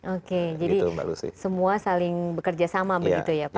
oke jadi semua saling bekerja sama begitu ya pak